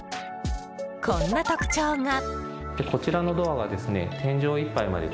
こんな特徴が。